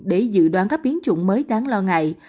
để dự đoán các biến chủng mới đáng lo ngại